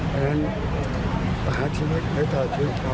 เพราะฉะนั้นประหารชีวิตให้ต่อชีวิตขอบใจครับ